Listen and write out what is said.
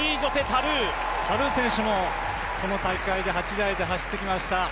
タルー選手もこの大会で８台で走ってきました。